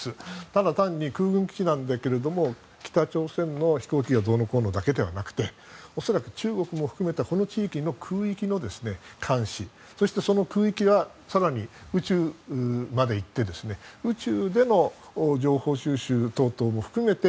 ただ単に空軍基地なんだけど北朝鮮の飛行機がどうのこうのだけではなくて恐らく中国を含めたこの地域の空域の監視そして、その空域が更に宇宙まで行って宇宙での情報収集等も含めて